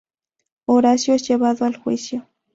Horacio es llevado a juicio.